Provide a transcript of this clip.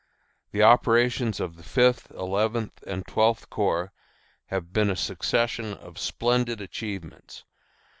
The operations of the Fifth, Eleventh, and Twelfth Corps have been a succession of splendid achievements.